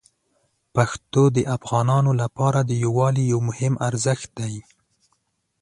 پښتو د افغانانو لپاره د یووالي یو مهم ارزښت دی.